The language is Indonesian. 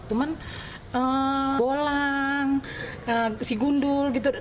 cuman bolang si gundul gitu